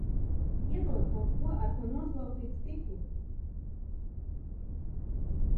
Iedod kaut ko, ar ko noslaucīt stiklu!